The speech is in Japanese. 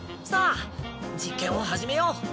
さあ実験を始めよう。